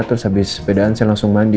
terus habis sepedaan saya langsung mandi